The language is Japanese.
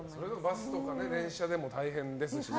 バスとか電車でも大変ですしね。